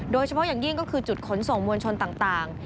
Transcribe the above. โดยเฉพาะอย่างยิ่งก็คือจุดขนส่งมวลชนต่าง